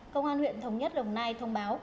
công an huyện thống nhất đông nai thông báo